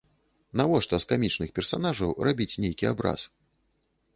Навошта з камічных персанажаў рабіць нейкі абраз.